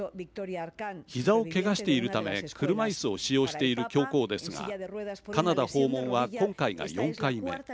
ひざをけがしているため車いすを使用している教皇ですがカナダ訪問は今回が４回目。